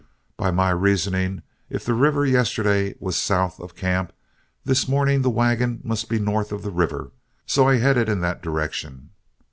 By my reasoning, if the river yesterday was south of camp, this morning the wagon must be north of the river, so I headed in that direction.